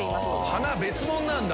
鼻別物なんだ。